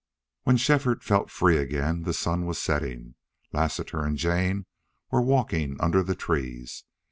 When Shefford felt free again the sun was setting. Lassiter and Jane were walking under the trees.